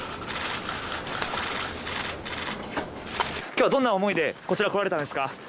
今日はどんな思いでこちら来られたんですか？